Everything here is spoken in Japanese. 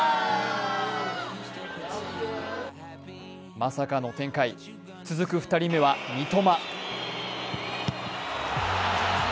まさかの展開、続く２人目は三笘。